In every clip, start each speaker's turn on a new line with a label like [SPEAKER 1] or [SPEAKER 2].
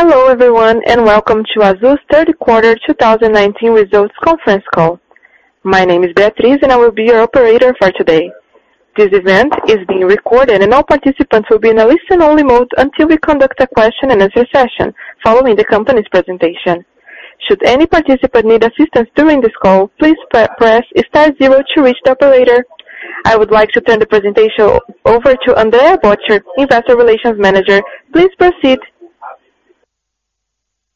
[SPEAKER 1] Hello, everyone, and welcome to Azul's third quarter 2019 results conference call. My name is Beatrice, and I will be your operator for today. This event is being recorded, and all participants will be in a listen-only mode until we conduct a question and answer session following the company's presentation. Should any participant need assistance during this call, please press star zero to reach the operator. I would like to turn the presentation over to Andrea Bottcher, investor relations manager. Please proceed.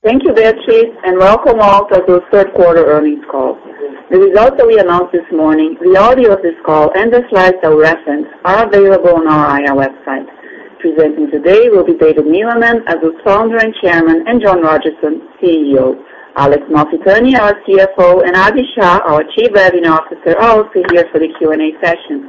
[SPEAKER 2] Thank you, Beatrice, and welcome all to Azul's third quarter earnings call. The results that we announced this morning, the audio of this call, and the slides that we reference are available on our IR website. Presenting today will be David Neeleman, Azul's Founder and Chairman, and John Rodgerson, CEO. Alex Malfitani, our CFO, and Abhi Shah, our Chief Revenue Officer, are also here for the Q&A session.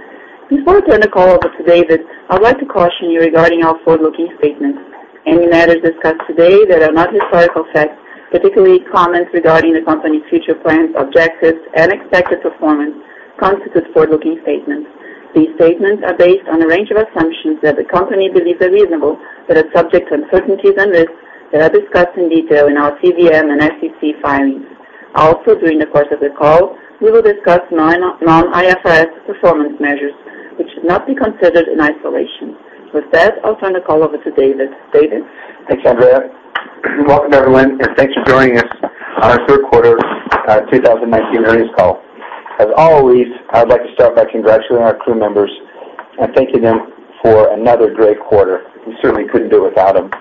[SPEAKER 2] Before I turn the call over to David, I'd like to caution you regarding our forward-looking statements. Any matters discussed today that are not historical facts, particularly comments regarding the company's future plans, objectives, and expected performance, constitute forward-looking statements. These statements are based on a range of assumptions that the company believes are reasonable, are subject to uncertainties and risks that are discussed in detail in our CVM and SEC filings. During the course of the call, we will discuss non-IFRS performance measures, which should not be considered in isolation. With that, I'll turn the call over to David. David?
[SPEAKER 3] Thanks, Andrea. Welcome, everyone, and thanks for joining us on our third quarter 2019 earnings call. As always, I would like to start by congratulating our crew members and thanking them for another great quarter. We certainly couldn't do it without them.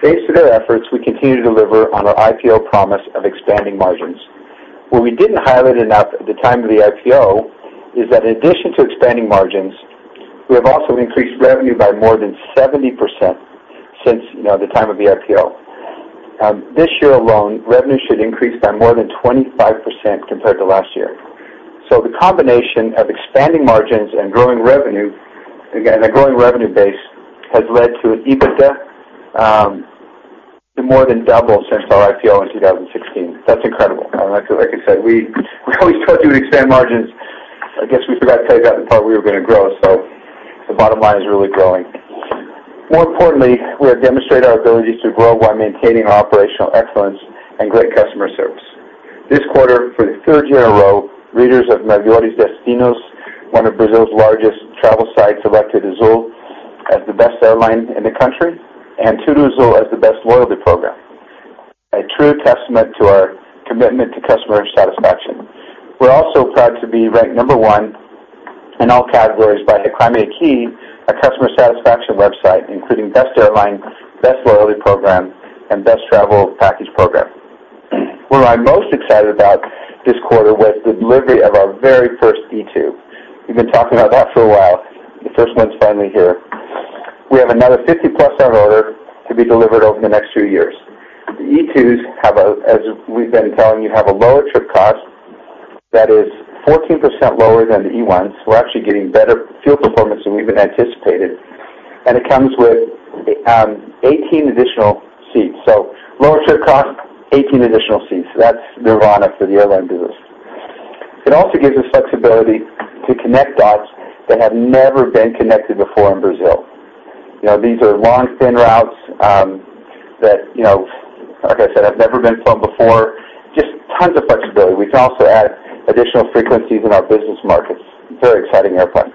[SPEAKER 3] Thanks to their efforts, we continue to deliver on our IPO promise of expanding margins. What we didn't highlight enough at the time of the IPO is that in addition to expanding margins, we have also increased revenue by more than 70% since the time of the IPO. This year alone, revenue should increase by more than 25% compared to last year. The combination of expanding margins and a growing revenue base has led to an EBITDA more than double since our IPO in 2016. That's incredible. Like I said, we always try to expand margins. I guess we forgot to tell you that part, we were going to grow. The bottom line is really growing. More importantly, we have demonstrated our ability to grow while maintaining our operational excellence and great customer service. This quarter, for the third year in a row, readers of Melhores Destinos, one of Brazil's largest travel sites, elected Azul as the best airline in the country and TudoAzul as the best loyalty program, a true testament to our commitment to customer satisfaction. We're also proud to be ranked number one in all categories by, [inaudible] a customer satisfaction website, including best airline, best loyalty program, and best travel package program. What I'm most excited about this quarter was the delivery of our very first E2. We've been talking about that for a while. The first one's finally here. We have another 50-plus on order to be delivered over the next few years. The E2s, as we've been telling you, have a lower trip cost that is 14% lower than the E1s. We're actually getting better fuel performance than we even anticipated. It comes with 18 additional seats. Lower trip cost, 18 additional seats. That's nirvana for the airline business. It also gives us flexibility to connect dots that have never been connected before in Brazil. These are long, thin routes that, like I said, have never been flown before. Just tons of flexibility. We can also add additional frequencies in our business markets. Very exciting airplane.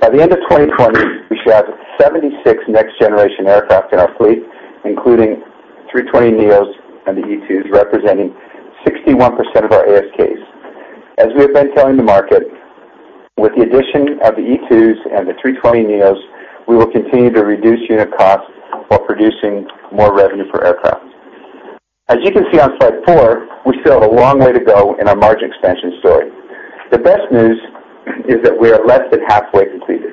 [SPEAKER 3] By the end of 2020, we should have 76 next-generation aircraft in our fleet, including A320neos and the E2s, representing 61% of our ASKs. As we have been telling the market, with the addition of the E2s and the A320neos, we will continue to reduce unit costs while producing more revenue per aircraft. As you can see on slide four, we still have a long way to go in our margin expansion story. The best news is that we are less than halfway completed.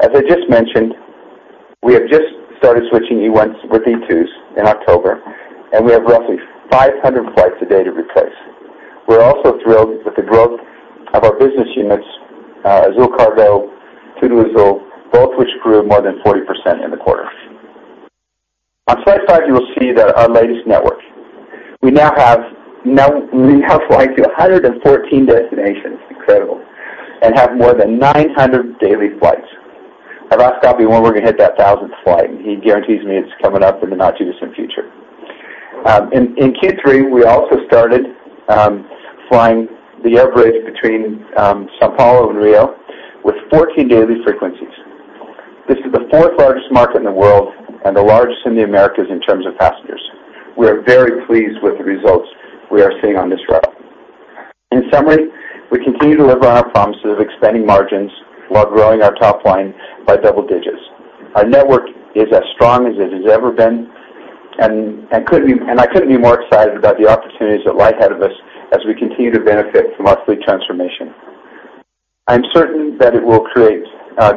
[SPEAKER 3] As I just mentioned, we have just started switching E1s with E2s in October, and we have roughly 500 flights a day to replace. We're also thrilled with the growth of our business units, Azul Cargo, TudoAzul, both which grew more than 40% in the quarter. On slide five, you will see our latest network. We now fly to 114 destinations, incredible, and have more than 900 daily flights. I've asked Abhi when we're going to hit that 1,000th flight, and he guarantees me it's coming up in the not-too-distant future. In Q3, we also started flying the air bridge between São Paulo and Rio with 14 daily frequencies. This is the fourth largest market in the world and the largest in the Americas in terms of passengers. We are very pleased with the results we are seeing on this route. In summary, we continue to deliver on our promises of expanding margins while growing our top line by double digits. Our network is as strong as it has ever been, and I couldn't be more excited about the opportunities that lie ahead of us as we continue to benefit from our fleet transformation. I'm certain that it will create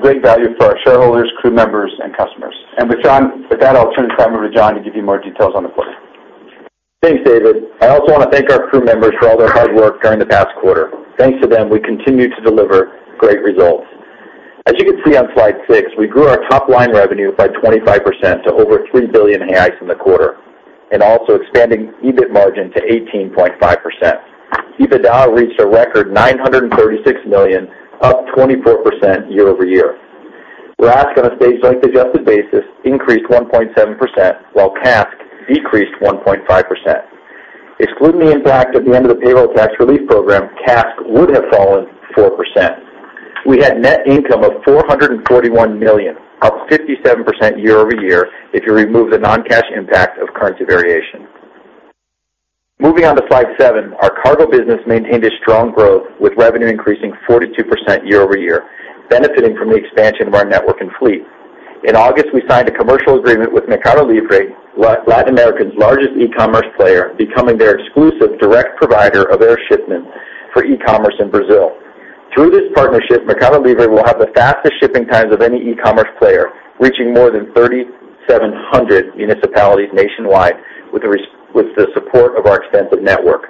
[SPEAKER 3] great value for our shareholders, crew members, and customers. With that, I'll turn the time over to John to give you more details on the quarter.
[SPEAKER 4] Thanks, David. I also want to thank our crew members for all their hard work during the past quarter. Thanks to them, we continue to deliver great results. As you can see on slide six, we grew our top-line revenue by 25% to over 3 billion in the quarter, and also expanding EBIT margin to 18.5%. EBITDA reached a record 936 million, up 24% year-over-year. RASK, on a passenger adjusted basis, increased 1.7%, while CASK decreased 1.5%. Excluding the impact at the end of the payroll tax relief program, CASK would have fallen 4%. We had net income of 441 million, up 57% year-over-year, if you remove the non-cash impact of currency variation. Moving on to slide seven, our cargo business maintained a strong growth, with revenue increasing 42% year-over-year, benefiting from the expansion of our network and fleet. In August, we signed a commercial agreement with Mercado Libre, Latin America's largest e-commerce player, becoming their exclusive direct provider of air shipments for e-commerce in Brazil. Through this partnership, Mercado Libre will have the fastest shipping times of any e-commerce player, reaching more than 3,700 municipalities nationwide, with the support of our extensive network.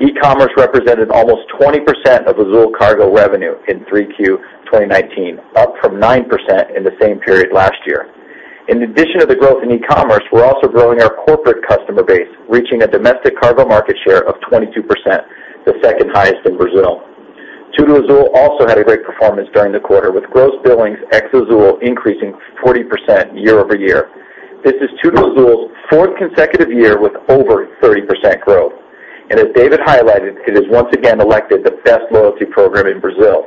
[SPEAKER 4] E-commerce represented almost 20% of Azul Cargo revenue in 3Q 2019, up from 9% in the same period last year. In addition to the growth in e-commerce, we're also growing our corporate customer base, reaching a domestic cargo market share of 22%, the second highest in Brazil. TudoAzul also had a great performance during the quarter, with gross billings ex Azul increasing 40% year-over-year. This is TudoAzul's fourth consecutive year with over 30% growth. As David highlighted, it is once again elected the best loyalty program in Brazil.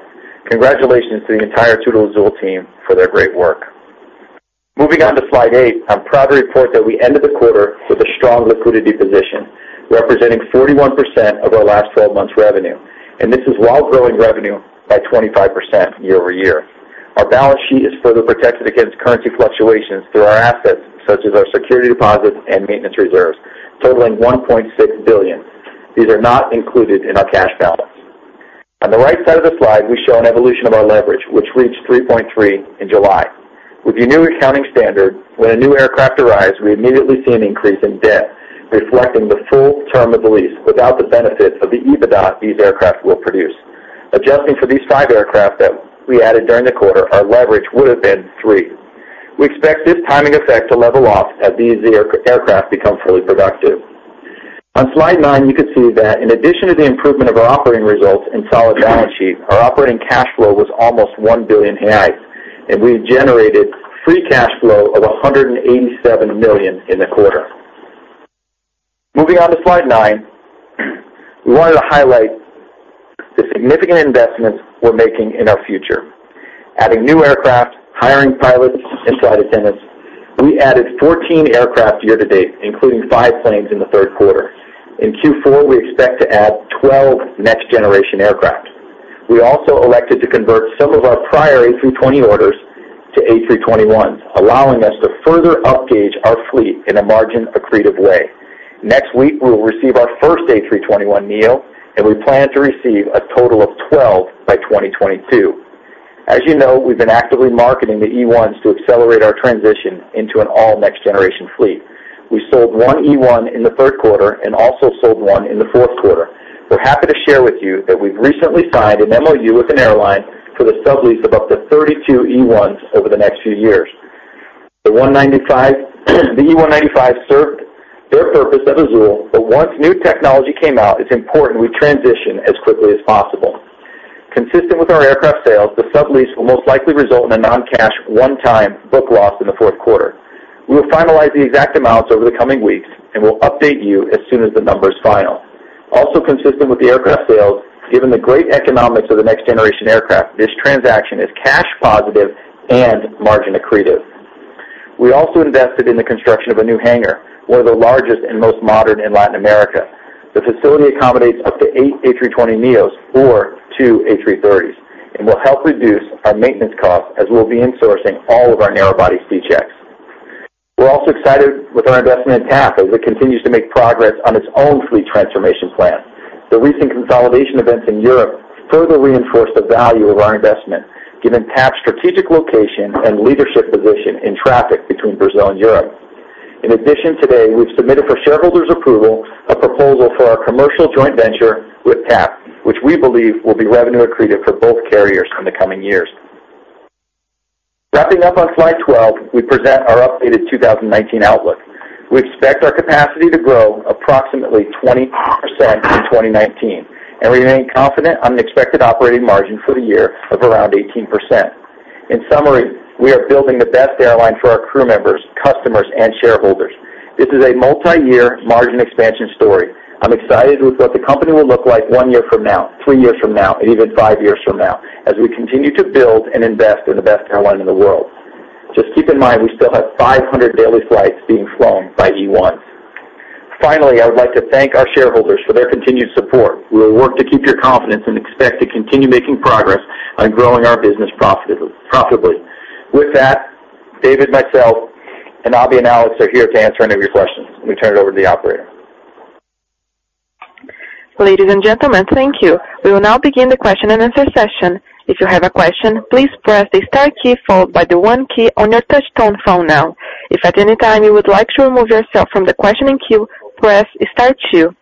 [SPEAKER 4] Congratulations to the entire TudoAzul team for their great work. Moving on to slide eight, I'm proud to report that we ended the quarter with a strong liquidity position, representing 41% of our last 12 months revenue, and this is while growing revenue by 25% year-over-year. Our balance sheet is further protected against currency fluctuations through our assets, such as our security deposits and maintenance reserves, totaling $1.6 billion. These are not included in our cash balance. On the right side of the slide, we show an evolution of our leverage, which reached 3.3 in July. With the new accounting standard, when a new aircraft arrives, we immediately see an increase in debt, reflecting the full term of the lease without the benefits of the EBITDA these aircraft will produce. Adjusting for these five aircraft that we added during the quarter, our leverage would have been three. We expect this timing effect to level off as these aircraft become fully productive. On slide nine, you can see that in addition to the improvement of our operating results and solid balance sheet, our operating cash flow was almost 1 billion, and we generated free cash flow of 187 million in the quarter. Moving on to slide nine, we wanted to highlight the significant investments we're making in our future, adding new aircraft, hiring pilots and flight attendants. We added 14 aircraft year to date, including five planes in the third quarter. In Q4, we expect to add 12 next-generation aircraft. We also elected to convert some of our prior A320 orders to A321s, allowing us to further upgauge our fleet in a margin-accretive way. Next week, we will receive our first A321neo, and we plan to receive a total of 12 by 2022. As you know, we've been actively marketing the E1s to accelerate our transition into an all next-generation fleet. We sold one E1 in the third quarter and also sold one in the fourth quarter. We're happy to share with you that we've recently signed an MOU with an airline for the sublease of up to 32 E1s over the next few years. The E195 served their purpose at Azul, but once new technology came out, it's important we transition as quickly as possible. Consistent with our aircraft sales, the sublease will most likely result in a non-cash one-time book loss in the fourth quarter. We will finalize the exact amounts over the coming weeks, and we'll update you as soon as the number is final. Also consistent with the aircraft sales, given the great economics of the next generation aircraft, this transaction is cash positive and margin accretive. We also invested in the construction of a new hangar, one of the largest and most modern in Latin America. The facility accommodates up to 8 A320neos or 2 A330s and will help reduce our maintenance costs as we'll be insourcing all of our narrow-body C checks. We're also excited with our investment in TAP as it continues to make progress on its own fleet transformation plan. The recent consolidation events in Europe further reinforce the value of our investment, given TAP's strategic location and leadership position in traffic between Brazil and Europe. Today, we've submitted for shareholders approval a proposal for our commercial joint venture with TAP, which we believe will be revenue accretive for both carriers in the coming years. Wrapping up on slide 12, we present our updated 2019 outlook. We expect our capacity to grow approximately 20% through 2019 and remain confident on the expected operating margin for the year of around 18%. In summary, we are building the best airline for our crew members, customers, and shareholders. This is a multi-year margin expansion story. I'm excited with what the company will look like one year from now, three years from now, and even five years from now, as we continue to build and invest in the best airline in the world. Just keep in mind, we still have 500 daily flights being flown by E1s. Finally, I would like to thank our shareholders for their continued support. We will work to keep your confidence and expect to continue making progress on growing our business profitably. With that, David, myself, and Abhi and Alex are here to answer any of your questions. Let me turn it over to the operator.
[SPEAKER 1] Ladies and gentlemen, thank you. We will now begin the question and answer session. If you have a question, please press the star key followed by the 1 key on your touch tone phone now. If at any time you would like to remove yourself from the questioning queue, press star 2.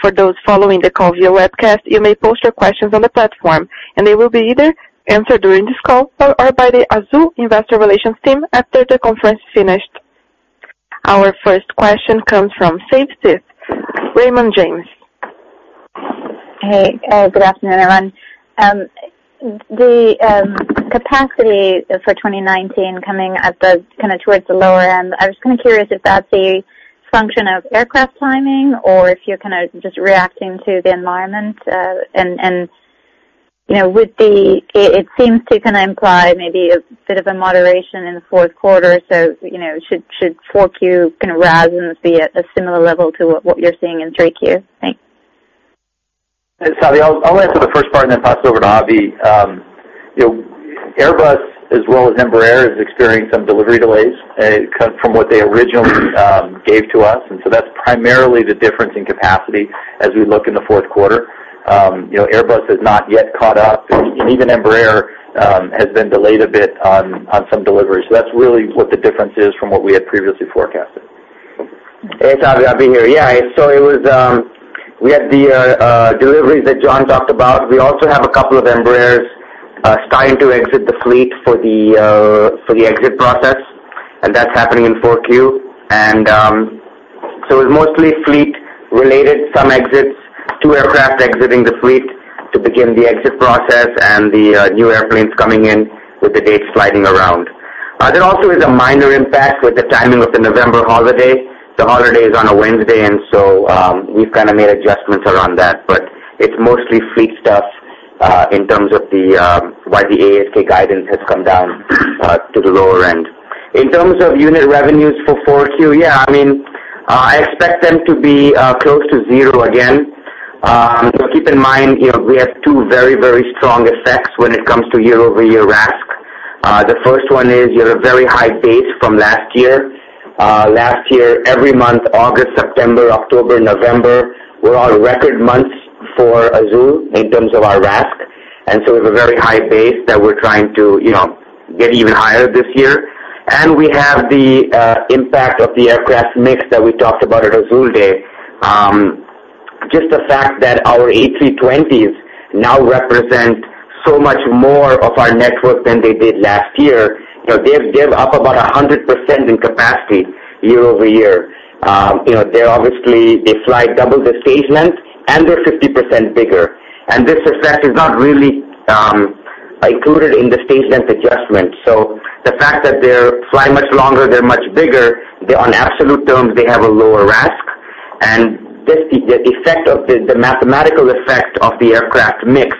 [SPEAKER 1] For those following the call via webcast, you may post your questions on the platform, and they will be either answered during this call or by the Azul investor relations team after the conference finished. Our first question comes from Savi Syth, Raymond James.
[SPEAKER 5] Hey. Good afternoon, everyone. The capacity for 2019 coming at the towards the lower end, I was curious if that's a function of aircraft timing or if you're just reacting to the environment. It seems to imply maybe a bit of a moderation in the fourth quarter. Should 4Q RASK be at a similar level to what you're seeing in 3Q? Thanks.
[SPEAKER 4] Hey, Savi. I'll answer the first part and then pass it over to Abhi. Airbus as well as Embraer has experienced some delivery delays from what they originally gave to us. That's primarily the difference in capacity as we look in the fourth quarter. Airbus has not yet caught up, and even Embraer has been delayed a bit on some deliveries. That's really what the difference is from what we had previously forecasted.
[SPEAKER 6] Hey, Savi. Abhi here. Yeah. We had the deliveries that John talked about. We also have a couple of Embraers starting to exit the fleet for the exit process. That's happening in 4Q. It was mostly fleet-related, some exits, two aircraft exiting the fleet to begin the exit process, and the new airplanes coming in with the dates sliding around. There also is a minor impact with the timing of the November holiday. The holiday is on a Wednesday. We've made adjustments around that. It's mostly fleet stuff in terms of why the ASK guidance has come down to the lower end. In terms of unit revenues for 4Q, yeah, I expect them to be close to zero again. Keep in mind, we have two very strong effects when it comes to year-over-year RASK. The first one is you have a very high base from last year. Last year, every month, August, September, October, November, were all record months for Azul in terms of our RASK. It was a very high base that we're trying to get even higher this year. We have the impact of the aircraft mix that we talked about at Azul Day. Just the fact that our A320s now represent so much more of our network than they did last year. They give up about 100% in capacity year-over-year. They fly double the stage length, and they're 50% bigger. This effect is not really included in the stage length adjustment. The fact that they fly much longer, they're much bigger, on absolute terms, they have a lower RASK. The mathematical effect of the aircraft mix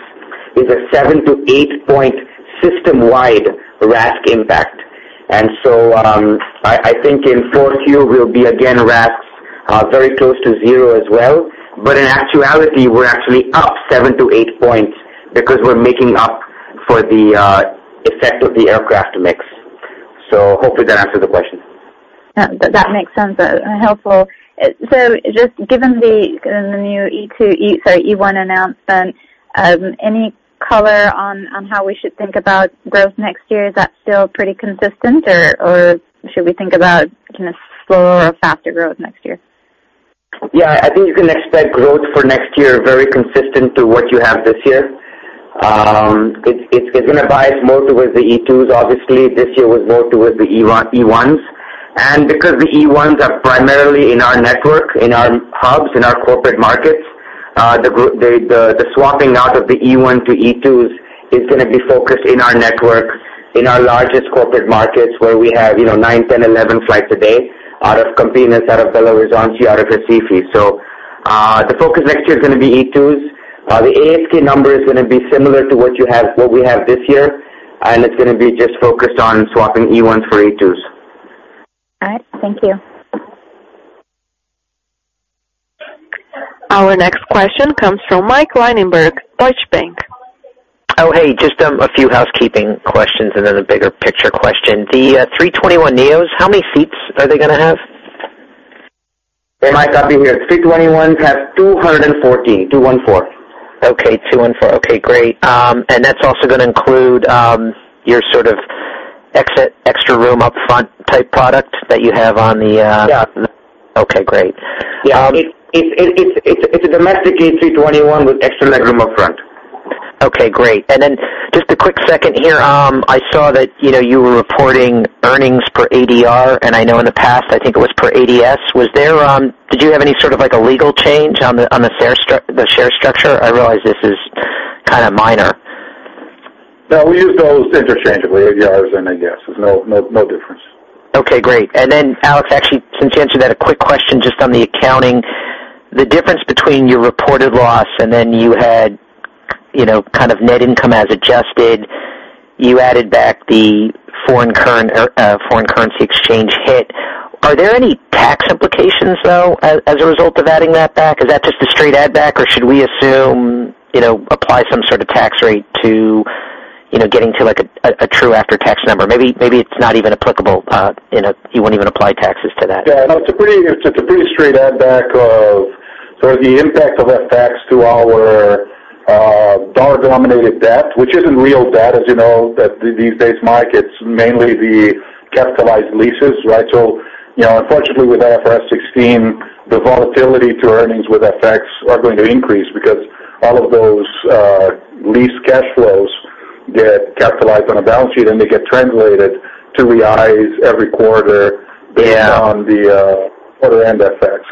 [SPEAKER 6] is a 7 to 8-point system-wide RASK impact. I think in 4Q, we'll be again RASKs very close to zero as well. In actuality, we're actually up 7-8 points because we're making up for the effect of the aircraft mix. Hopefully that answers the question.
[SPEAKER 5] That makes sense. Helpful. Just given the new E1 announcement, any color on how we should think about growth next year? Is that still pretty consistent, or should we think about slower or faster growth next year?
[SPEAKER 6] Yeah, I think you can expect growth for next year very consistent to what you have this year. It's going to bias more towards the E2s. Obviously, this year was more towards the E1s. Because the E1s are primarily in our network, in our hubs, in our corporate markets, the swapping out of the E1 to E2s is going to be focused in our network, in our largest corporate markets, where we have nine, 10, 11 flights a day out of Campinas, out of Belo Horizonte, out of Recife. The focus next year is going to be E2s. The ASK number is going to be similar to what we have this year, and it's going to be just focused on swapping E1s for E2s.
[SPEAKER 5] All right. Thank you.
[SPEAKER 1] Our next question comes from Mike Linenberg, Deutsche Bank.
[SPEAKER 7] Oh, hey, just a few housekeeping questions and then a bigger picture question. The A321neos, how many seats are they going to have?
[SPEAKER 6] Hey, Mike. Abhi here. A321s have 214. 2-1-4.
[SPEAKER 7] Okay, 214. Okay, great. That's also going to include your exit extra room up front type product that you have on the.
[SPEAKER 6] Yeah.
[SPEAKER 7] Okay, great.
[SPEAKER 6] Yeah. It's a domestic A321 with extra legroom up front.
[SPEAKER 7] Okay, great. Just a quick second here. I saw that you were reporting earnings per ADR, and I know in the past, I think it was per ADS. Did you have any sort of legal change on the share structure? I realize this is kind of minor.
[SPEAKER 4] No, we use those interchangeably, ADRs and ADS. There is no difference.
[SPEAKER 7] Okay, great. Alex, actually, since you answered that, a quick question just on the accounting. The difference between your reported loss and then you had net income as adjusted, you added back the foreign currency exchange hit. Are there any tax implications, though, as a result of adding that back? Is that just a straight add back, or should we assume, apply some sort of tax rate to getting to a true after-tax number? Maybe it's not even applicable. You wouldn't even apply taxes to that.
[SPEAKER 8] Yeah, no, it's a pretty straight add back of the impact of FX to our dollar-denominated debt, which isn't real debt, as you know, these days, Mike. It's mainly the capitalized leases, right? Unfortunately with IFRS 16, the volatility to earnings with FX are going to increase because all of those lease cash flows. Get capitalized on a balance sheet, and they get translated to reais every quarter.
[SPEAKER 7] Yeah
[SPEAKER 8] based on the foreign effect.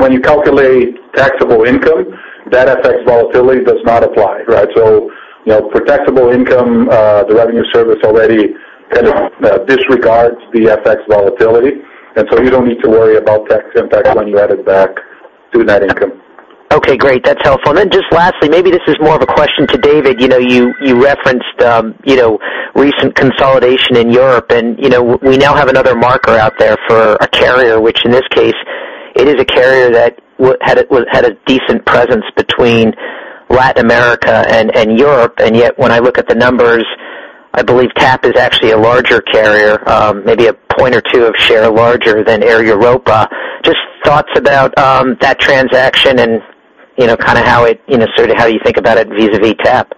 [SPEAKER 8] When you calculate taxable income, that FX volatility does not apply, right? For taxable income, the revenue service already kind of disregards the FX volatility, and so you don't need to worry about tax impact when you add it back to net income.
[SPEAKER 7] Okay, great. That's helpful. Just lastly, maybe this is more of a question to David. You referenced recent consolidation in Europe. We now have another marker out there for a carrier, which in this case, it is a carrier that had a decent presence between Latin America and Europe. Yet when I look at the numbers, I believe TAP is actually a larger carrier, maybe a point or two of share larger than Air Europa. Just thoughts about that transaction and how you think about it vis-a-vis TAP.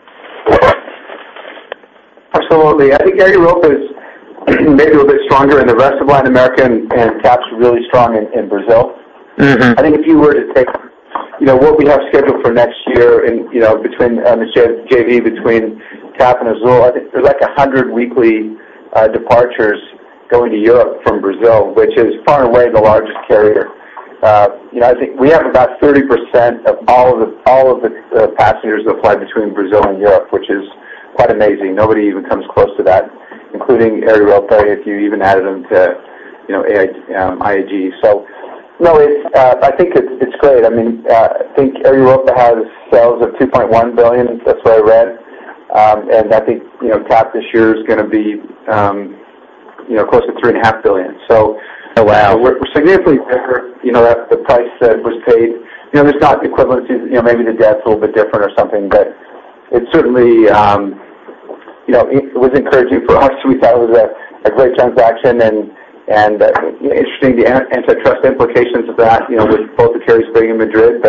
[SPEAKER 3] Absolutely. I think Air Europa is maybe a little bit stronger in the rest of Latin America, and TAP's really strong in Brazil. If you were to take what we have scheduled for next year between this JV between TAP and Azul, there's 100 weekly departures going to Europe from Brazil, which is far and away the largest carrier. We have about 30% of all of the passengers that fly between Brazil and Europe, which is quite amazing. Nobody even comes close to that, including Air Europa, if you even added them to IAG. No, I think it's great. Air Europa has sales of 2.1 billion. That's what I read. TAP this year is going to be close to 3.5 billion.
[SPEAKER 7] Oh, wow.
[SPEAKER 3] We're significantly bigger. The price that was paid, there's not equivalency. Maybe the debt's a little bit different or something, but it certainly was encouraging for us. We thought it was a great transaction and interesting, the antitrust implications of that, with both the carriers being in Madrid.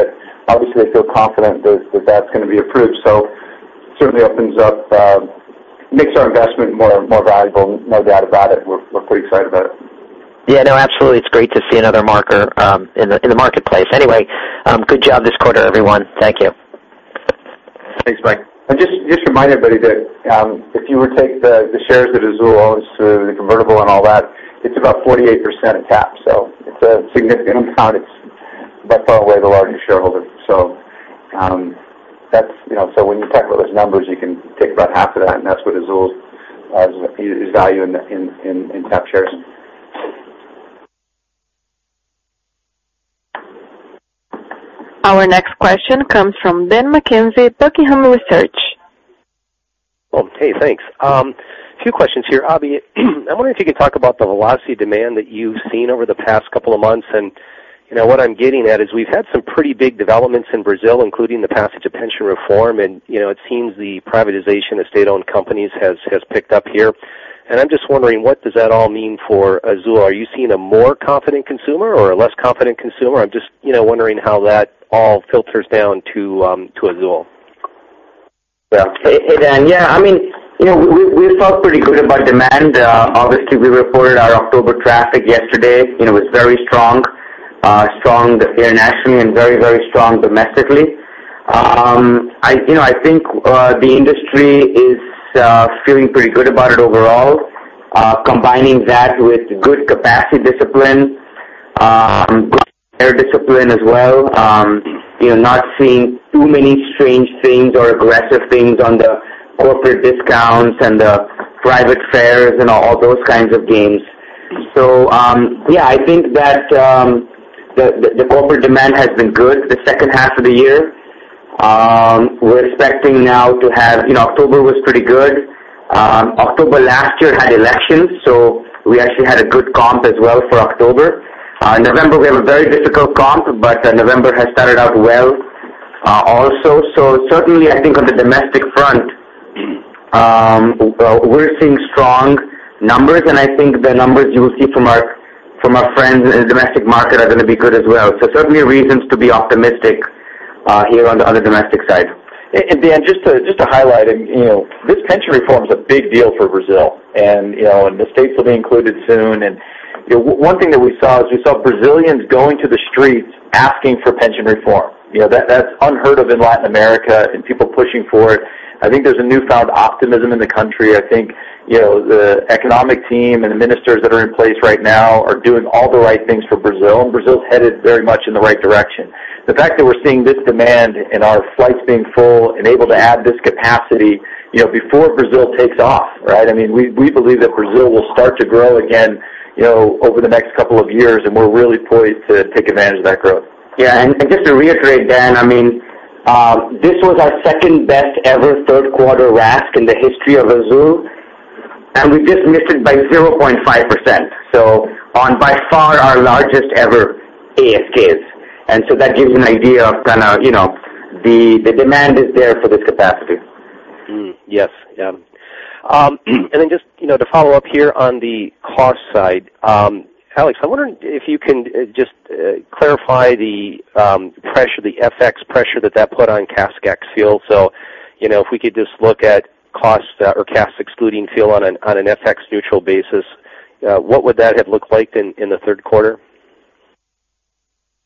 [SPEAKER 3] Obviously, they feel confident that that's going to be approved. Certainly makes our investment more valuable, no doubt about it. We're pretty excited about it.
[SPEAKER 7] Yeah, no, absolutely. It is great to see another marker in the marketplace. Good job this quarter, everyone. Thank you.
[SPEAKER 3] Thanks, Mike. Just remind everybody that if you were to take the shares that Azul owns, the convertible and all that, it's about 48% of TAP. It's a significant amount, by far away the largest shareholder. When you tackle those numbers, you can take about half of that, and that's what Azul's value in TAP shares.
[SPEAKER 1] Our next question comes from Dan McKenzie, Buckingham Research.
[SPEAKER 9] Well, hey, thanks. Abhi, I wonder if you could talk about the velocity demand that you've seen over the past couple of months. What I'm getting at is we've had some pretty big developments in Brazil, including the passage of pension reform, and it seems the privatization of state-owned companies has picked up here. I'm just wondering, what does that all mean for Azul? Are you seeing a more confident consumer or a less confident consumer? I'm just wondering how that all filters down to Azul.
[SPEAKER 6] Yeah. Hey, Dan. Yeah, we felt pretty good about demand. Obviously, we reported our October traffic yesterday. It was very strong. Strong internationally and very, very strong domestically. I think the industry is feeling pretty good about it overall. Combining that with good capacity discipline, good fare discipline as well. Not seeing too many strange things or aggressive things on the corporate discounts and the private fares and all those kinds of games. Yeah, I think that the corporate demand has been good the second half of the year. We're expecting now October was pretty good. October last year had elections, so we actually had a good comp as well for October. November, we have a very difficult comp, but November has started out well also. Certainly, I think on the domestic front, we're seeing strong numbers, and I think the numbers you will see from our friends in the domestic market are going to be good as well. Certainly reasons to be optimistic here on the domestic side.
[SPEAKER 3] Dan, just to highlight, this pension reform is a big deal for Brazil, and the states will be included soon. One thing that we saw is we saw Brazilians going to the streets asking for pension reform. That's unheard of in Latin America and people pushing for it. I think there's a newfound optimism in the country. I think the economic team and the ministers that are in place right now are doing all the right things for Brazil is headed very much in the right direction. The fact that we're seeing this demand and our flights being full and able to add this capacity before Brazil takes off, right? We believe that Brazil will start to grow again over the next couple of years, we're really poised to take advantage of that growth.
[SPEAKER 6] Just to reiterate, Dan, this was our second-best-ever third quarter RASK in the history of Azul, and we just missed it by 0.5%. On by far our largest ever ASKs. That gives you an idea of the demand is there for this capacity.
[SPEAKER 9] Yes. Yeah. Just to follow up here on the cost side. Alex, I wonder if you can just clarify the pressure, the FX pressure that put on CASK ex fuel. If we could just look at cost or CASK excluding fuel on an FX neutral basis, what would that have looked like in the third quarter?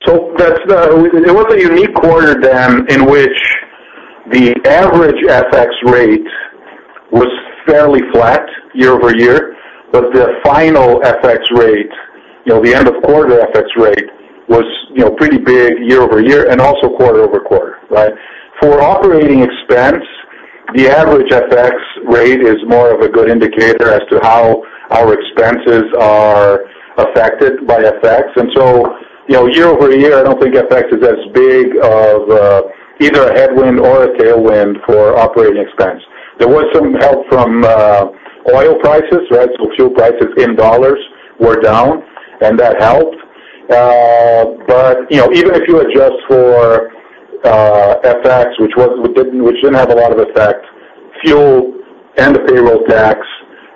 [SPEAKER 8] It was a unique quarter, Dan, in which the average FX rate was fairly flat year-over-year. The final FX rate, the end of quarter FX rate was pretty big year-over-year and also quarter-over-quarter, right? For operating expense, the average FX rate is more of a good indicator as to how our expenses are affected by FX. Year-over-year, I don't think FX is as big of either a headwind or a tailwind for operating expense. There was some help from oil prices, right? Fuel prices in dollars were down, and that helped. Even if you adjust for FX, which didn't have a lot of effect, fuel and the payroll tax,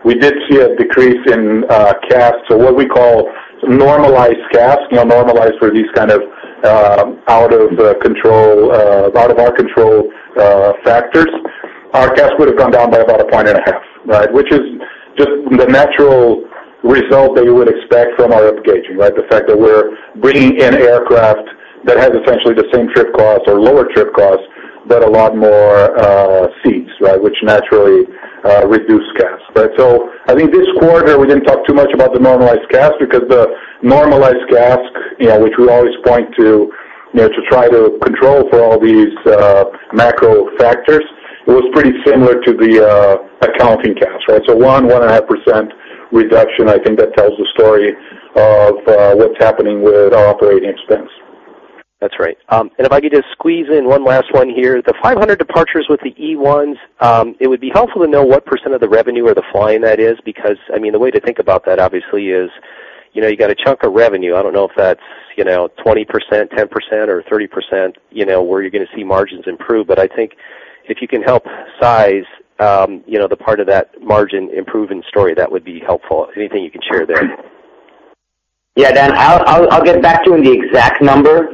[SPEAKER 8] we did see a decrease in CASK, what we call normalized CASK, normalized for these kind of out of our control factors. Our CASK would have gone down by about a point and a half, right? Which is just the natural result that you would expect from our up gauging, right? The fact that we're bringing in aircraft that has essentially the same trip costs or lower trip costs, but a lot more seats, right? Which naturally reduce CASK, right? I think this quarter, we didn't talk too much about the normalized CASK because the normalized CASK, which we always point to try to control for all these macro factors, was pretty similar to the accounting CASK, right? One, one and a half % reduction, I think that tells the story of what's happening with our operating expense.
[SPEAKER 9] That's right. If I could just squeeze in one last one here. The 500 departures with the E1s, it would be helpful to know what % of the revenue or the flying that is. Because the way to think about that obviously is, you got a chunk of revenue. I don't know if that's 20%, 10%, or 30%, where you're going to see margins improve. I think if you can help size the part of that margin improvement story, that would be helpful. Anything you can share there?
[SPEAKER 6] Dan, I'll get back to you on the exact number,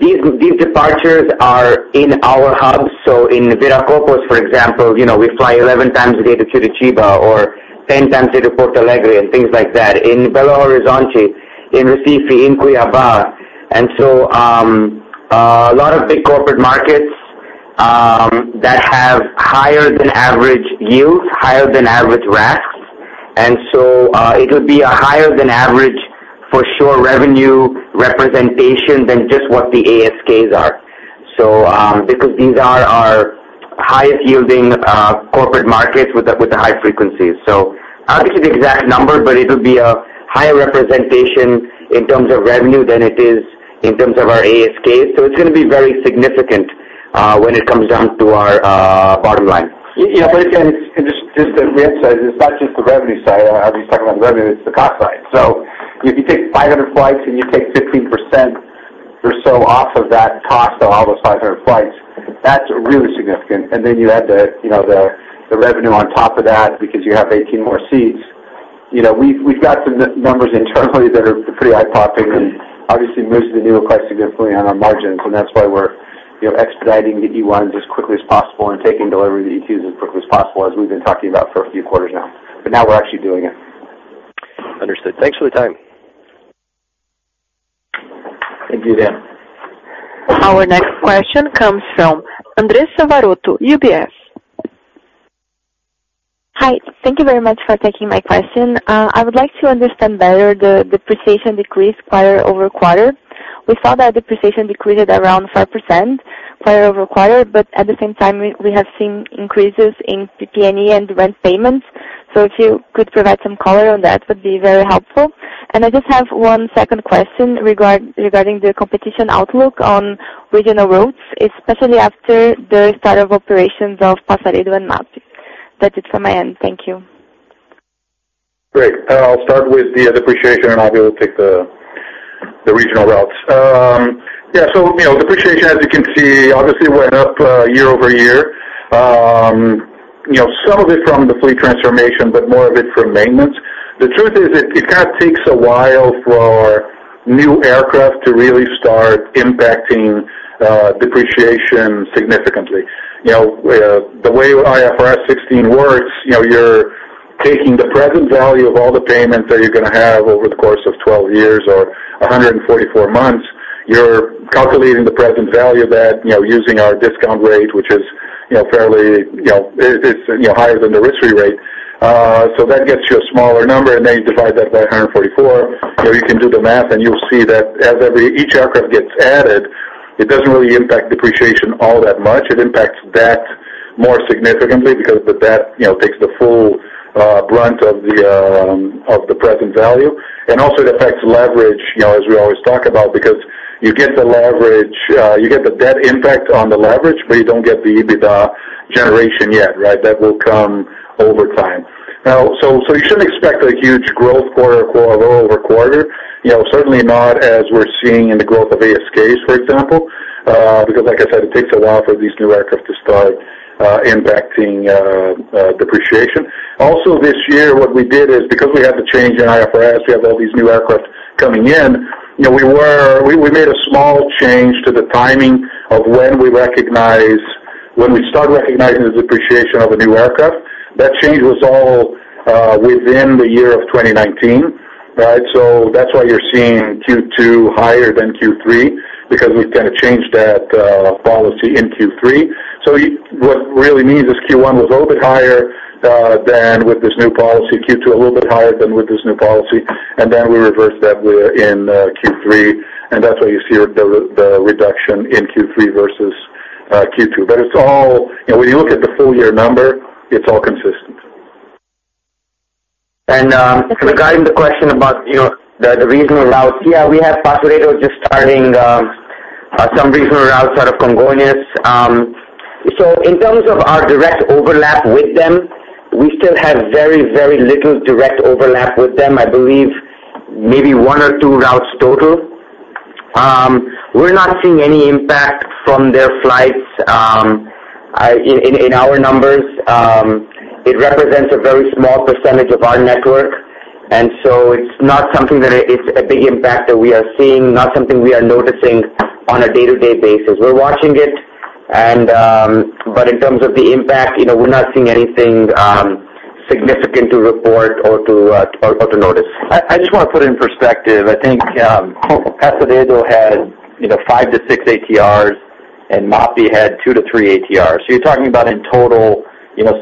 [SPEAKER 6] these departures are in our hubs. In Viracopos, for example, we fly 11 times a day to Curitiba or 10 times a day to Porto Alegre, and things like that. In Belo Horizonte, in Recife, in Cuiabá. A lot of big corporate markets that have higher than average yields, higher than average RASKs. It would be a higher than average for sure revenue representation than just what the ASKs are. These are our highest yielding corporate markets with the high frequencies. I don't have the exact number, it'll be a higher representation in terms of revenue than it is in terms of our ASK. It's going to be very significant when it comes down to our bottom line.
[SPEAKER 8] Yeah. Again, just to reemphasize, it's not just the revenue side. Obviously, you're talking about revenue, it's the cost side. If you take 500 flights and you take 15% or so off of that cost of all those 500 flights, that's really significant. Then you add the revenue on top of that because you have 18 more seats. We've got some numbers internally that are pretty eye-popping, and obviously most of the newer flights significantly on our margins, and that's why we're expediting the E1s as quickly as possible and taking delivery of the E2s as quickly as possible, as we've been talking about for a few quarters now. Now we're actually doing it.
[SPEAKER 9] Understood. Thanks for the time.
[SPEAKER 6] Thank you, Dan.
[SPEAKER 1] Our next question comes from Andressa Varotto, UBS.
[SPEAKER 10] Hi. Thank you very much for taking my question. I would like to understand better the depreciation decrease quarter-over-quarter. We saw that depreciation decreased at around 5% quarter-over-quarter. At the same time, we have seen increases in PP&E and rent payments. If you could provide some color on that, would be very helpful. I just have one second question regarding the competition outlook on regional routes, especially after the start of operations of Passaredo and MAP. That's it from my end. Thank you.
[SPEAKER 8] Great. I'll start with the depreciation, and I'll be able to take the regional routes. Yeah. Depreciation, as you can see, obviously went up year-over-year. Some of it from the fleet transformation, more of it from maintenance. The truth is, it kind of takes a while for new aircraft to really start impacting depreciation significantly. The way IFRS 16 works, you're taking the present value of all the payments that you're going to have over the course of 12 years or 144 months. You're calculating the present value of that using our discount rate, which is higher than the risk-free rate. That gets you a smaller number, you divide that by 144. You can do the math, you'll see that as each aircraft gets added, it doesn't really impact depreciation all that much. It impacts debt more significantly because the debt takes the full brunt of the present value. Also it affects leverage, as we always talk about, because you get the debt impact on the leverage, but you don't get the EBITDA generation yet, right? That will come over time. You shouldn't expect a huge growth quarter-over-quarter. Certainly not as we're seeing in the growth of ASKs, for example. Like I said, it takes a while for these new aircraft to start impacting depreciation. Also this year, what we did is because we had the change in IFRS, we have all these new aircraft coming in, we made a small change to the timing of when we start recognizing the depreciation of a new aircraft. That change was all Within the year of 2019. That's why you're seeing Q2 higher than Q3, because we've changed that policy in Q3. What it really means is Q1 was a little bit higher than with this new policy, Q2 a little bit higher than with this new policy, and then we reversed that in Q3, and that's why you see the reduction in Q3 versus Q2. When you look at the full-year number, it's all consistent.
[SPEAKER 6] Regarding the question about the regional routes, yeah, we have Passaredo just starting some regional routes out of Congonhas. In terms of our direct overlap with them, we still have very, very little direct overlap with them. I believe maybe one or two routes total. We're not seeing any impact from their flights in our numbers. It represents a very small percentage of our network, and so it's not something that is a big impact that we are seeing, not something we are noticing on a day-to-day basis. We're watching it, but in terms of the impact, we're not seeing anything significant to report or to notice.
[SPEAKER 4] I just want to put it in perspective. I think Passaredo has five to six ATRs, and MAP had two to three ATRs. You're talking about in total,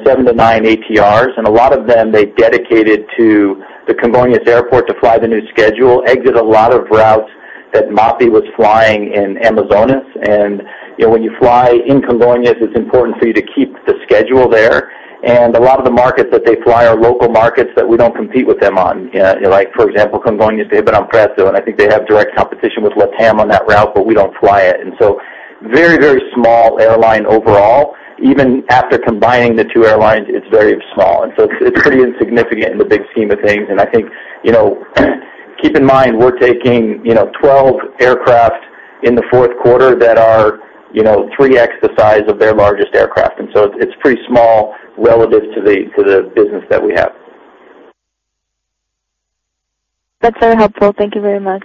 [SPEAKER 4] seven to nine ATRs, and a lot of them, they've dedicated to the Congonhas Airport to fly the new schedule, exit a lot of routes that MAP was flying in Amazonas. When you fly in Congonhas, it's important for you to keep the schedule there. A lot of the markets that they fly are local markets that we don't compete with them on. Like, for example, Congonhas to Ribeirão Preto, and I think they have direct competition with LATAM on that route, but we don't fly it. Very small airline overall. Even after combining the two airlines, it's very small, and so it's pretty insignificant in the big scheme of things. I think, keep in mind, we're taking 12 aircraft in the fourth quarter that are three X the size of their largest aircraft. It's pretty small relative to the business that we have.
[SPEAKER 10] That's very helpful. Thank you very much.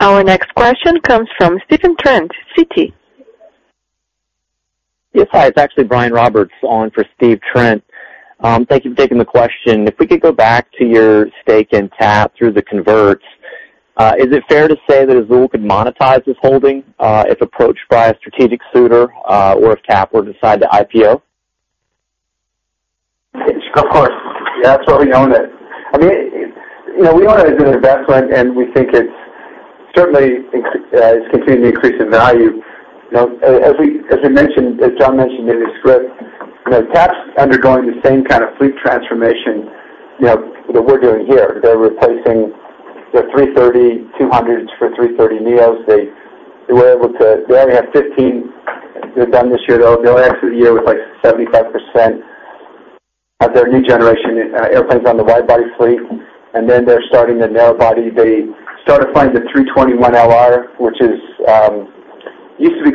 [SPEAKER 1] Our next question comes from Stephen Trent, Citi.
[SPEAKER 11] Yes. Hi. It's actually Brian Roberts on for Steve Trent. Thank you for taking the question. If we could go back to your stake in TAP through the converts, is it fair to say that Azul could monetize this holding if approached by a strategic suitor, or if TAP were to decide to IPO?
[SPEAKER 3] Of course. Yeah, absolutely own it. We own it as an investment, and we think it certainly is continuing to increase in value. As John mentioned in his script, TAP's undergoing the same kind of fleet transformation that we're doing here. They're replacing their A330-200s for A330neos. They only have 15 they've done this year. They'll exit the year with, like, 75% of their new generation airplanes on the wide body fleet. They're starting the narrow body. They started flying the A321LR. 321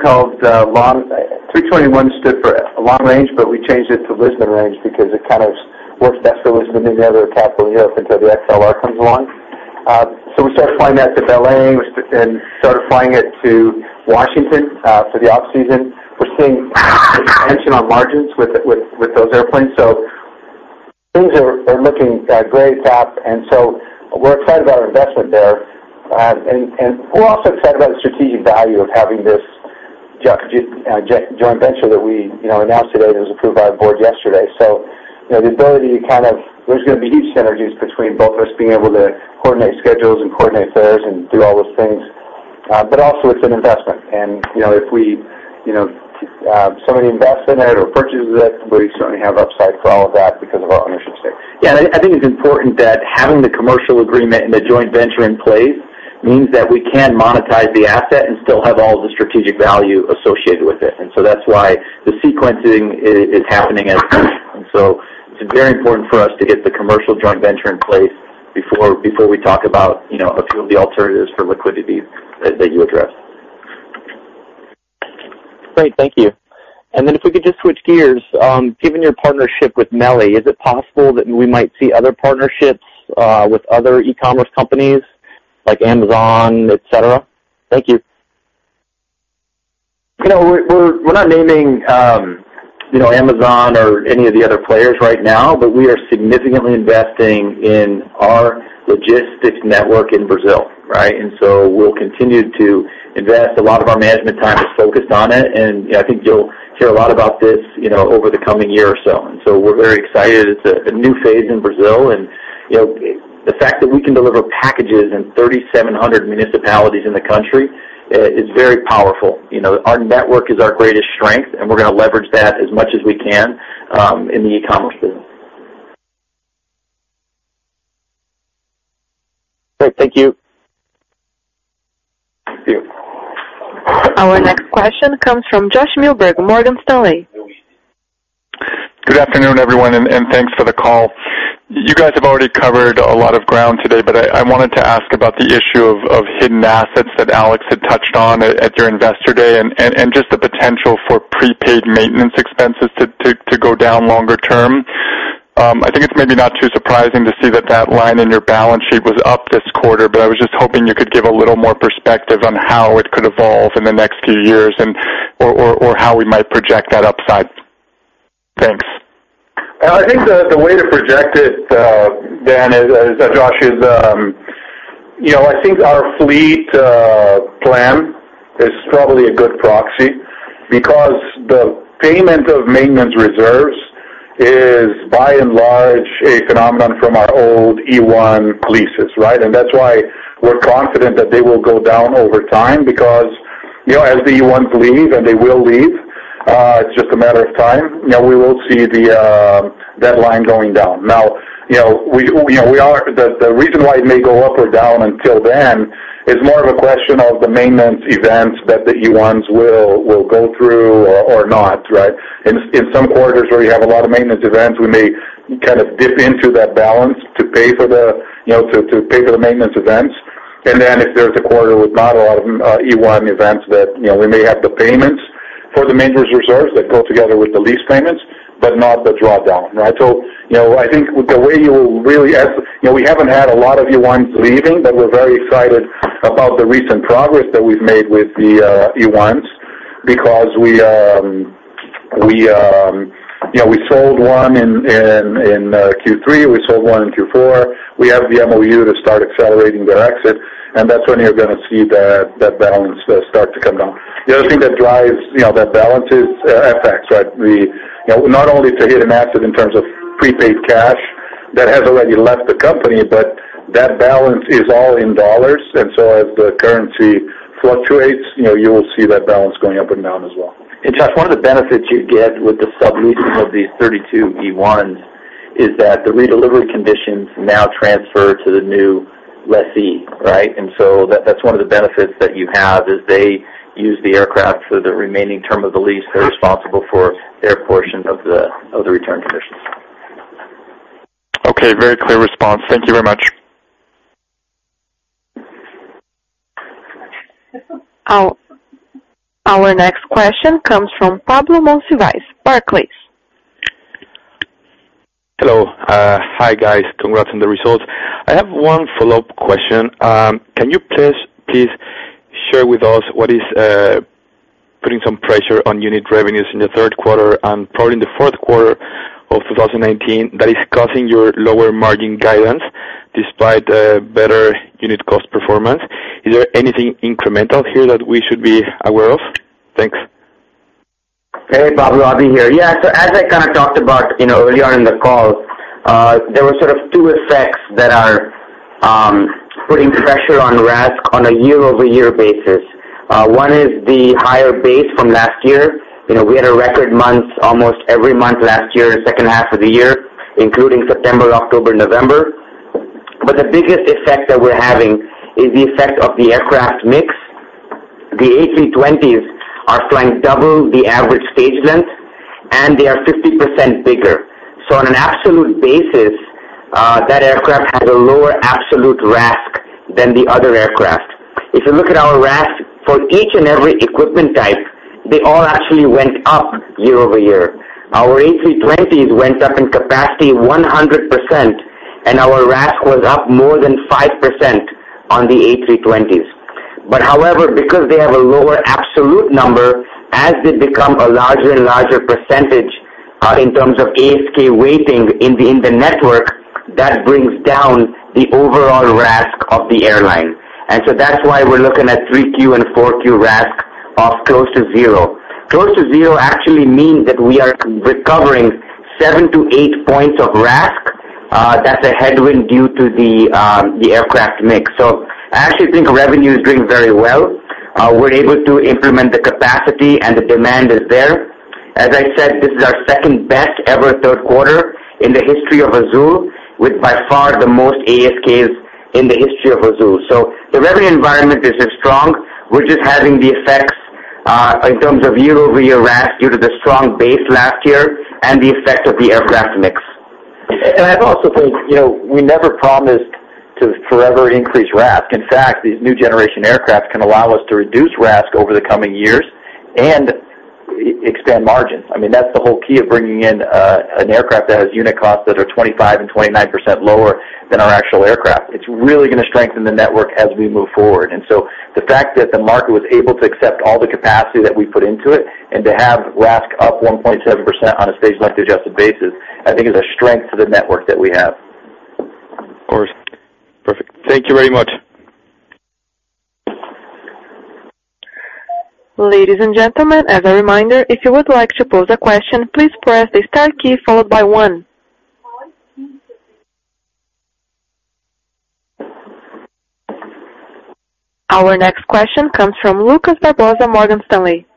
[SPEAKER 3] stood for Long Range, but we changed it to Lisbon Range because it works best for Lisbon than the other capital in Europe until the A321XLR comes along. We started flying that to Belém and started flying it to Washington for the off-season. We're seeing expansion on margins with those airplanes. Things are looking great, TAP, and so we're excited about our investment there. We're also excited about the strategic value of having this joint venture that we announced today that was approved by our board yesterday. There's going to be huge synergies between both of us being able to coordinate schedules and coordinate fares and do all those things. Also it's an investment, and if somebody invests in it or purchases it, we certainly have upside for all of that because of our ownership stake.
[SPEAKER 4] Yeah. I think it's important that having the commercial agreement and the joint venture in place means that we can monetize the asset and still have all of the strategic value associated with it. That's why the sequencing is happening as it is. It's very important for us to get the commercial joint venture in place before we talk about a few of the alternatives for liquidity that you address.
[SPEAKER 11] Great. Thank you. If we could just switch gears. Given your partnership with [MELI], is it possible that we might see other partnerships with other e-commerce companies like Amazon, et cetera? Thank you.
[SPEAKER 4] We're not naming Amazon or any of the other players right now, we are significantly investing in our logistics network in Brazil. Right? We'll continue to invest. A lot of our management time is focused on it, I think you'll hear a lot about this over the coming year or so. We're very excited. It's a new phase in Brazil, the fact that we can deliver packages in 3,700 municipalities in the country is very powerful. Our network is our greatest strength, we're going to leverage that as much as we can in the e-commerce space.
[SPEAKER 11] Great. Thank you.
[SPEAKER 3] Thank you.
[SPEAKER 1] Our next question comes from Josh Milberg, Morgan Stanley.
[SPEAKER 12] Good afternoon, everyone. Thanks for the call. You guys have already covered a lot of ground today. I wanted to ask about the issue of hidden assets that Alex had touched on at your Investor Day and just the potential for prepaid maintenance expenses to go down longer term. I think it's maybe not too surprising to see that that line in your balance sheet was up this quarter, but I was just hoping you could give a little more perspective on how it could evolve in the next few years or how we might project that upside. Thanks.
[SPEAKER 8] I think the way to project it, Josh, is I think our fleet plan is probably a good proxy because the payment of maintenance reserves is by and large a phenomenon from our old E1 leases. That's why we're confident that they will go down over time because, as the E1s leave, and they will leave, it's just a matter of time, we will see that line going down. The reason why it may go up or down until then is more of a question of the maintenance events that the E1s will go through or not. In some quarters where you have a lot of maintenance events, we may dip into that balance to pay for the maintenance events. If there's a quarter with not a lot of E1 events that we may have the payments for the maintenance reserves that go together with the lease payments, but not the drawdown. I think the way we haven't had a lot of E1s leaving, but we're very excited about the recent progress that we've made with the E1s because we sold one in Q3, we sold one in Q4. We have the MoU to start accelerating their exit, and that's when you're going to see that balance start to come down. The other thing that drives that balance is FX. Not only to hit an asset in terms of prepaid cash that has already left the company, but that balance is all in dollars. As the currency fluctuates, you will see that balance going up and down as well.
[SPEAKER 6] Josh, one of the benefits you get with the subleasing of these 32 E1s is that the redelivery conditions now transfer to the new lessee. That's one of the benefits that you have is they use the aircraft for the remaining term of the lease. They're responsible for their portion of the return conditions.
[SPEAKER 12] Okay. Very clear response. Thank you very much.
[SPEAKER 1] Our next question comes from Pablo Monsivais, Barclays.
[SPEAKER 13] Hello. Hi, guys. Congrats on the results. I have one follow-up question. Can you please share with us what is putting some pressure on unit revenues in the third quarter and probably in the fourth quarter of 2019 that is causing your lower margin guidance despite better unit cost performance? Is there anything incremental here that we should be aware of? Thanks.
[SPEAKER 6] Hey, Pablo. Abhi here. As I kind of talked about earlier in the call, there were sort of two effects that are putting pressure on RASK on a year-over-year basis. One is the higher base from last year. We had a record month almost every month last year, the second half of the year, including September, October, November. The biggest effect that we're having is the effect of the aircraft mix. The A320s are flying double the average stage length, and they are 50% bigger. On an absolute basis, that aircraft has a lower absolute RASK than the other aircraft. If you look at our RASK for each and every equipment type, they all actually went up year over year. Our A320s went up in capacity 100%, and our RASK was up more than 5% on the A320s. However, because they have a lower absolute number, as they become a larger and larger percentage in terms of ASK weighting in the network, that brings down the overall RASK of the airline. That's why we're looking at 3Q and 4Q RASK of close to zero. Close to zero actually means that we are recovering 7-8 points of RASK that's a headwind due to the aircraft mix. I actually think revenue is doing very well. We're able to implement the capacity, and the demand is there. As I said, this is our second-best-ever third quarter in the history of Azul, with by far the most ASKs in the history of Azul. The revenue environment is strong. We're just having the effects in terms of year-over-year RASK due to the strong base last year and the effect of the aircraft mix.
[SPEAKER 8] I'd also say, we never promised to forever increase RASK. In fact, these new generation aircraft can allow us to reduce RASK over the coming years and expand margins. That's the whole key of bringing in an aircraft that has unit costs that are 25% and 29% lower than our actual aircraft. It's really going to strengthen the network as we move forward. The fact that the market was able to accept all the capacity that we put into it and to have RASK up 1.7% on a stage length adjusted basis, I think is a strength to the network that we have.
[SPEAKER 13] Of course. Perfect. Thank you very much.
[SPEAKER 1] Ladies and gentlemen, as a reminder, if you would like to pose a question, please press the star key followed by one. Our next question comes from Lucas Barbosa, Morgan Stanley.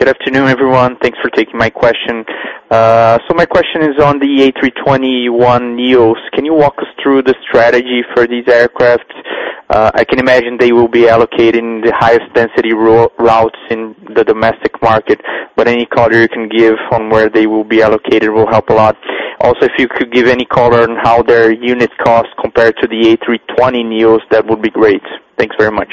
[SPEAKER 14] Good afternoon, everyone. Thanks for taking my question. My question is on the A321neos. Can you walk us through the strategy for these aircraft? I can imagine they will be allocated in the highest density routes in the domestic market, but any color you can give on where they will be allocated will help a lot. Also, if you could give any color on how their unit costs compare to the A320neos, that would be great. Thanks very much.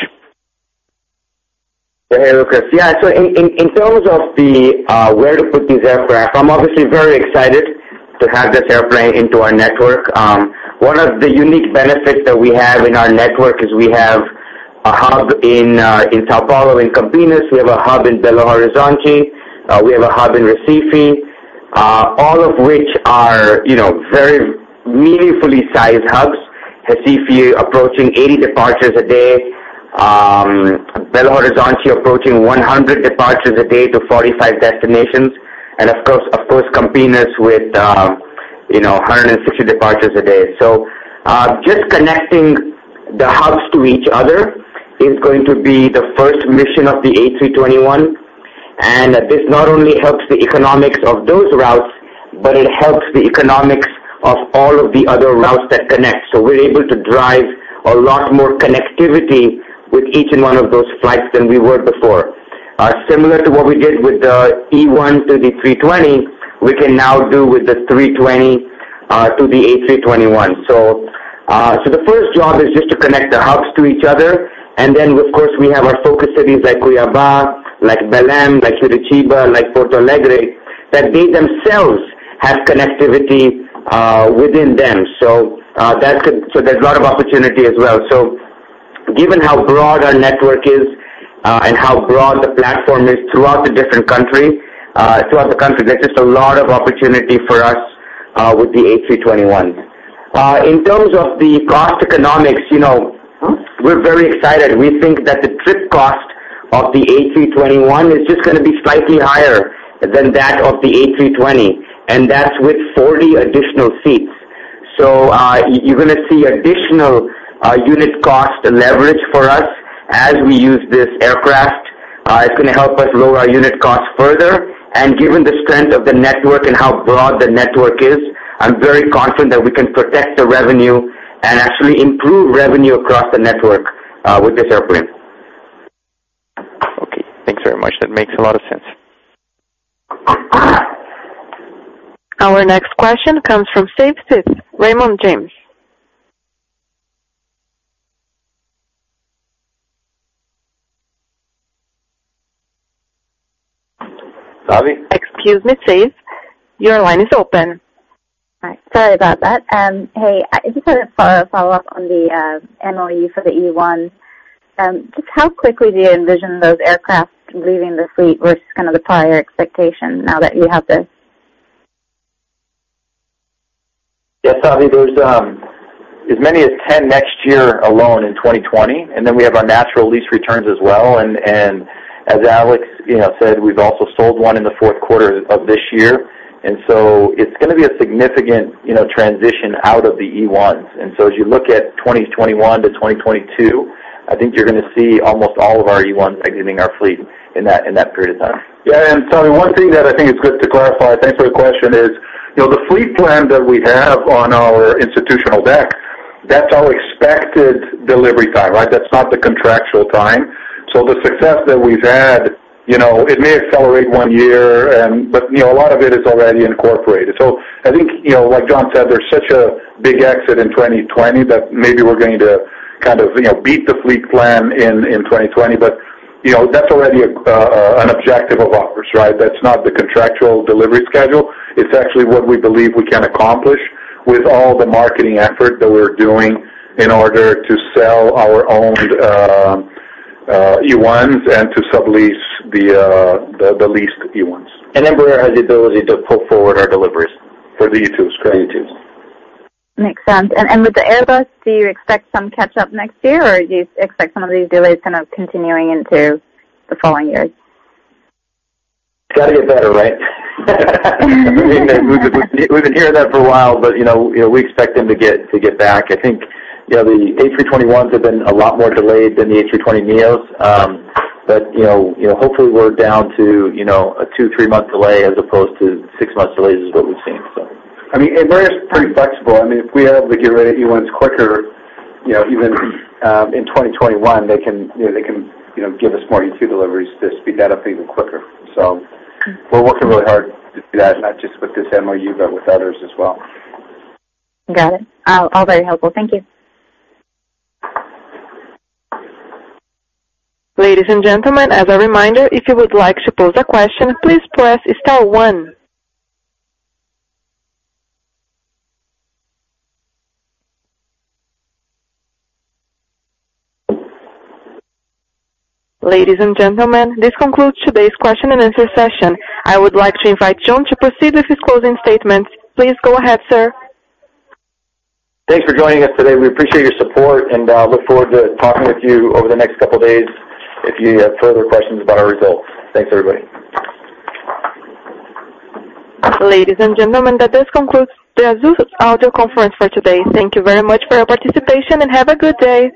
[SPEAKER 6] Hey, Lucas. Yeah, in terms of where to put these aircraft, I'm obviously very excited to have this airplane into our network. One of the unique benefits that we have in our network is we have a hub in São Paulo, in Campinas. We have a hub in Belo Horizonte. We have a hub in Recife, all of which are very meaningfully sized hubs. Recife approaching 80 departures a day. Belo Horizonte approaching 100 departures a day to 45 destinations. Of course, Campinas with 160 departures a day. Just connecting the hubs to each other is going to be the first mission of the A321. This not only helps the economics of those routes, but it helps the economics of all of the other routes that connect. We're able to drive a lot more connectivity with each one of those flights than we were before. Similar to what we did with the E1 to the A320, we can now do with the A320 to the A321. The first job is just to connect the hubs to each other, and then, of course, we have our focus cities like Cuiabá, like Belém, like Curitiba, like Porto Alegre, that they themselves have connectivity within them. There's a lot of opportunity as well. Given how broad our network is and how broad the platform is throughout the country, there's just a lot of opportunity for us with the A321s. In terms of the cost economics, we're very excited. We think that the trip cost of the A321 is just going to be slightly higher than that of the A320, and that's with 40 additional seats. You're going to see additional unit cost leverage for us as we use this aircraft. It's going to help us lower our unit cost further. Given the strength of the network and how broad the network is, I'm very confident that we can protect the revenue and actually improve revenue across the network with this airplane.
[SPEAKER 14] Okay, thanks very much. That makes a lot of sense.
[SPEAKER 1] Our next question comes from Savi Syth, Raymond James.
[SPEAKER 6] Savi.
[SPEAKER 1] Excuse me, Savi. Your line is open.
[SPEAKER 5] Hi, sorry about that. Hey, if you could follow up on the MOU for the E1. Just how quickly do you envision those aircraft leaving the fleet versus kind of the prior expectation now that you have this?
[SPEAKER 4] Yes, Savi, there's as many as 10 next year alone in 2020. Then we have our natural lease returns as well. As Alex said, we've also sold one in the fourth quarter of this year. It's going to be a significant transition out of the E1s. As you look at 2021 to 2022, I think you're going to see almost all of our E1s exiting our fleet in that period of time.
[SPEAKER 6] Yeah. Savi, one thing that I think is good to clarify, thanks for the question, is the fleet plan that we have on our institutional deck, that's our expected delivery time. That's not the contractual time. The success that we've had, it may accelerate one year, but a lot of it is already incorporated. I think, like John said, there's such a big exit in 2020 that maybe we're going to kind of beat the fleet plan in 2020. That's already an objective of ours. That's not the contractual delivery schedule. It's actually what we believe we can accomplish with all the marketing effort that we're doing in order to sell our owned E1s and to sublease the leased E1s.
[SPEAKER 4] Embraer has the ability to pull forward our deliveries.
[SPEAKER 6] For the E2s, correct.
[SPEAKER 4] E2s.
[SPEAKER 5] Makes sense. With the Airbus, do you expect some catch up next year, or do you expect some of these delays kind of continuing into the following years?
[SPEAKER 4] It's got to get better, right? We've been hearing that for a while, but we expect them to get back. I think the A321s have been a lot more delayed than the A320neos. Hopefully we're down to a two, three-month delay as opposed to six months delayed is what we've seen.
[SPEAKER 6] Embraer is pretty flexible. If we are able to get rid of E1s quicker, even in 2021, they can give us more E2 deliveries to speed that up even quicker. We're working really hard to do that, not just with this MOU, but with others as well.
[SPEAKER 5] Got it. All very helpful. Thank you.
[SPEAKER 1] Ladies and gentlemen, as a reminder, if you would like to pose a question, please press star one. Ladies and gentlemen, this concludes today's question and answer session. I would like to invite John to proceed with his closing statements. Please go ahead, sir.
[SPEAKER 4] Thanks for joining us today. We appreciate your support and look forward to talking with you over the next couple of days if you have further questions about our results. Thanks, everybody.
[SPEAKER 1] Ladies and gentlemen, that does conclude the Azul audio conference for today. Thank you very much for your participation, and have a good day.